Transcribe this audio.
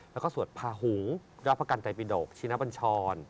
แล้วก็สวดภาหุงราภกรรณไตปิดกชีวิตหน้าปัญชร